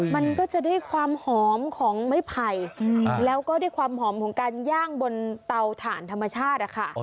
มันก็จะได้ความหอมของไม้ไผ่แล้วก็ด้วยความหอมของการย่างบนเตาถ่านธรรมชาติอะค่ะ